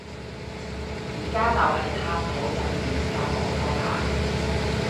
而家就係探討緊點解冇拖拍